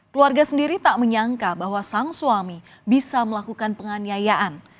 keluarga sendiri tak menyangka bahwa sang suami bisa melakukan penganiayaan